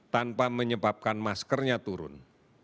tanpa menyebabkan maskernya turun